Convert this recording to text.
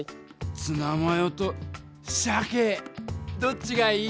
ツナマヨとサケどっちがいい？